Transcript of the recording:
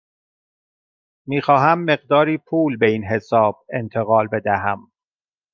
می خواهم مقداری پول به این حساب انتقال بدهم.